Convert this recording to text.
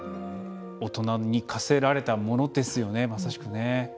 大人に課せられたものですよねまさしく。